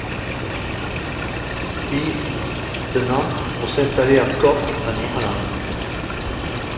Puis il quitte Nantes pour s'installer à Cork, en Irlande.